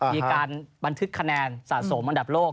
มีการบันทึกคะแนนสะสมอันดับโลก